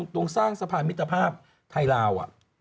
ตรงสร้างสะพานมิตรภาพไทยลาว